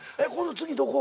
次どこ？